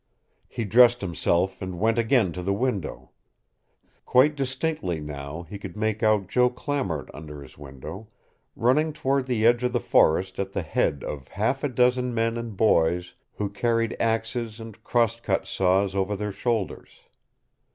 He dressed himself and went again to the window. Quite distinctly now, he could make out Joe Clamart under his window, running toward the edge of the forest at the head of half a dozen men and boys who carried axes and cross cut saws over their shoulders.